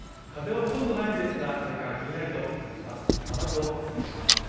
風はほとんどないんですが、体感、ひんやりと感じます。